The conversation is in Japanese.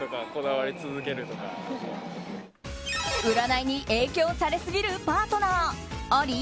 占いに影響されすぎるパートナー、あり？